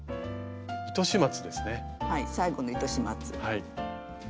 はい最後の糸始末。